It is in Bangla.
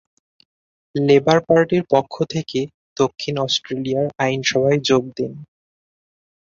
লেবার পার্টির পক্ষ থেকে দক্ষিণ অস্ট্রেলিয়ার আইনসভায় যোগ দেন।